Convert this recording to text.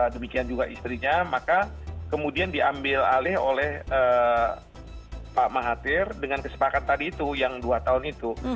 demikian juga istrinya maka kemudian diambil alih oleh pak mahathir dengan kesepakatan tadi itu yang dua tahun itu